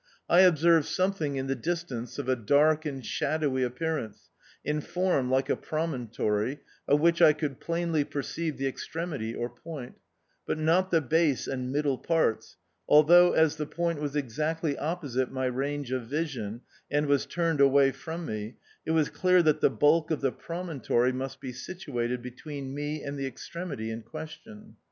I observed something in the distance of a dark and shadowy appearance, in form like a pro montory, of 'vhich I could plainly perceive the extremity or point, but not the base and middle parts, although as the point was exactly opposite my range of vision, and was turned away from me, it was clear that the bulk of the promontory must be situ ated between me and the extremity in ques tion.